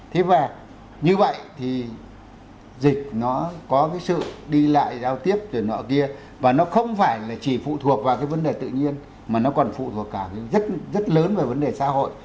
thế và như vậy thì dịch nó có cái sự đi lại giao tiếp rồi nọ kia và nó không phải là chỉ phụ thuộc vào cái vấn đề tự nhiên mà nó còn phụ thuộc cả rất lớn về vấn đề xã hội